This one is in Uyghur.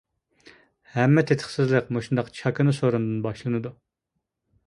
ھەممە تېتىقسىزلىق مۇشۇنداق چاكىنا سورۇندىن باشلىنىدۇ.